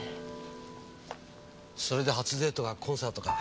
それで初デートがコンサートか。